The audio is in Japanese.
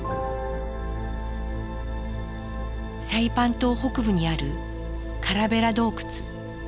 サイパン島北部にあるカラベラ洞窟。